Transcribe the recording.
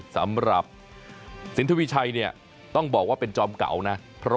สำหรับสินทวีชัยเนี่ยต้องบอกว่าเป็นจอมเก่านะ